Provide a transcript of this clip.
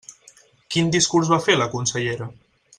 Quin discurs va fer la consellera?